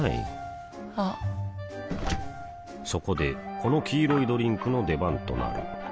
あっそこでこの黄色いドリンクの出番となる